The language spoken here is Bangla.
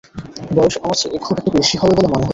বয়স আমার চেয়ে খুব একটা বেশি হবে বলে মনে হলো না।